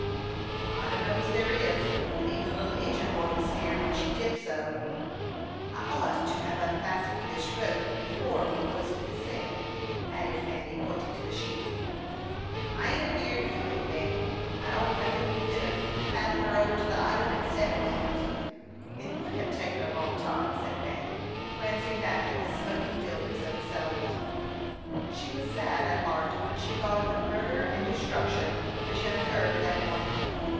"I dunno 's there is; but even the little Injin boy was skeered when she tipped so." "I ought to have unfastened this rope before we hoisted the sail," added Fanny, pointing to the sheet. "I ain't afeerd, if you ain't, Fanny. I don't reckon we could 'a paddled her over to the island in seven year." "It would have taken a long time," said Fanny, glancing back at the smoking buildings of the settlement. She was sad at heart when she thought of the murder and destruction which had occurred that morning.